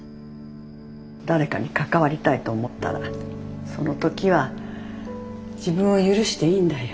誰かに関わりたいと思ったらその時は自分を許していいんだよ。